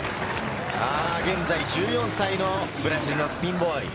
現在、１４歳のブラジルのスピンボーイ。